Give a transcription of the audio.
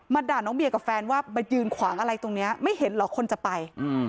ด่าน้องเบียกับแฟนว่ามายืนขวางอะไรตรงนี้ไม่เห็นเหรอคนจะไป